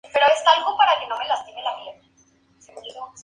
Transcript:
El ciclo de de Lope consta de alrededor de veinte obras.